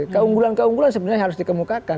keunggulan keunggulan sebenarnya harus dikemukakan